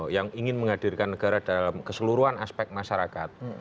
yang ingin menghadirkan negara dalam keseluruhan aspek masyarakat